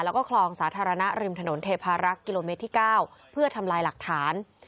แล้วก็คลองสาธารณะริมถนนเทพารักษ์กิโลเมตรที่๙เพื่อทำลายหลักฐาน